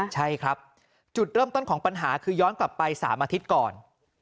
ใช่ครับจุดเริ่มต้นของปัญหาคือย้อนกลับไป๓อาทิตย์ก่อน